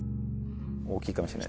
大きいかもしれない。